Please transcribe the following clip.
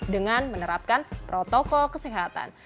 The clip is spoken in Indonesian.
dengan menerapkan protokol kesehatan